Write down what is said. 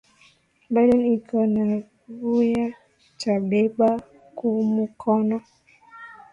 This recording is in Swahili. Bidon iko na vuya ta beba kumukono